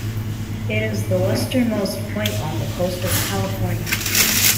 It is the westernmost point on the coast of California.